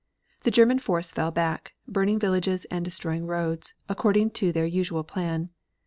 The German force fell back, burning villages and destroying roads, according to their usual plan.